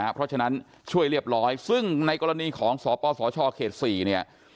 เพราะฉะนั้นช่วยเรียบร้อยซึ่งในกรณีของสปสชเขต๔เนี่ย